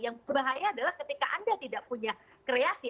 yang bahaya adalah ketika anda tidak punya kreasi